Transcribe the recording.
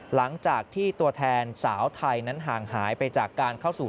หลังจากที่ตัวแทนสาวไทยนั้นห่างหายไปจากการเข้าสู่